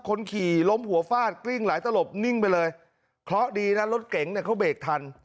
คนขี่ล้มหัวฟาดกลิ้งหลายตลบนิ่งไปเลยเคราะห์ดีนะรถเก๋งเนี่ยเขาเบรกทัน